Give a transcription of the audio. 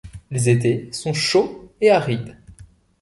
Les étés sont chauds et arides.